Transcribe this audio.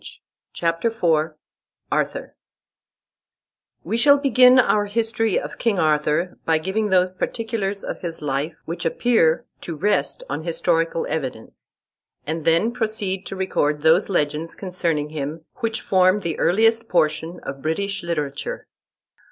] CHAPTER IV ARTHUR We shall begin our history of King Arthur by giving those particulars of his life which appear to rest on historical evidence; and then proceed to record those legends concerning him which form the earliest portion of British literature.